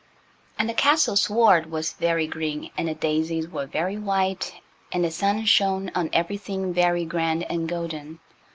And the castle's sward was very green, and the daisies were very white, and the sun shone on everything very grand and golden.